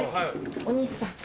お兄さん。